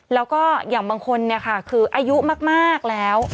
แล้วก็อย่างบางคนเนี่ยค่ะคืออายุมากแล้ว